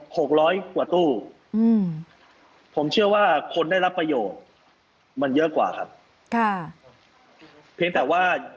๖๐๐กว่าตู้ผมเชื่อว่าคนได้รับประโยชน์มันเยอะกว่าครับ